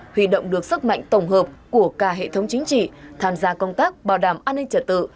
huy động được sức mạnh tổng hợp của cả hệ thống chính trị tham gia công tác bảo đảm an ninh trật tự